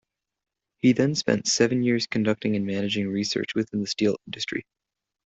He then spent seven years conducting and managing research within the steel industry.